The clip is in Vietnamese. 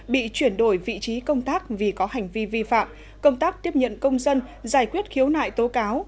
bị chuyển đổi vị trí công tác vì có hành vi vi phạm công tác tiếp nhận công dân giải quyết khiếu nại tố cáo